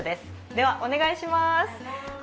では、お願いします。